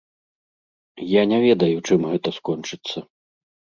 Я не ведаю, чым гэта скончыцца.